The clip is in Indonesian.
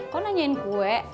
kok nanyain kue